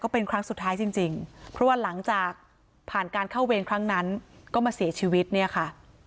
เพราะว่าหลังจากผ่านการเข้าเวรครั้งนั้นก็มาเสียชีวิตนี่ค่ะ